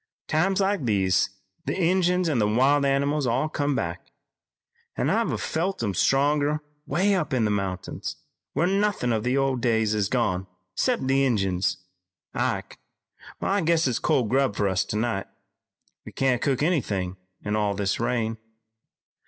"Times like these, the Injuns an' the wild animals all come back, an' I've felt 'em still stronger way up in the mountains, where nothin' of the old days is gone 'cept the Injuns. Ike, I guess it's cold grub for us tonight. We can't cook anythin' in all this rain.